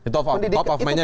top of mind nya begitu ya